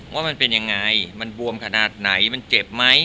ว่ามันเป็นยังไงมันบวมขนาดไหนมันเจ็บไหม